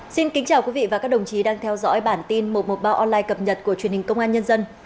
xin kính chào quý vị và các đồng chí đang theo dõi bản tin một trăm một mươi ba online cập nhật của truyền hình công an nhân dân